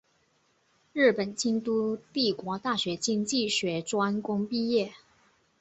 日本京都帝国大学经济学专攻毕业。